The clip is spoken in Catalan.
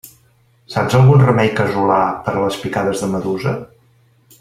Saps algun remei casolà per a les picades de medusa?